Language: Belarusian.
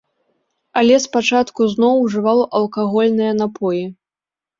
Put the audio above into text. Але спачатку зноў ужываў алкагольныя напоі.